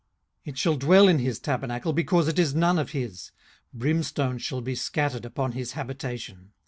18:018:015 It shall dwell in his tabernacle, because it is none of his: brimstone shall be scattered upon his habitation.